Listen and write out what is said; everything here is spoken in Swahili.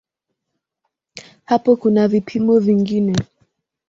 Hapo kuna vipimo vingine.